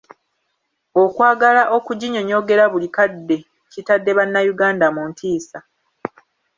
Okwagala okuginyonyoogera buli kadde kitadde bannayuganda mu ntiisa.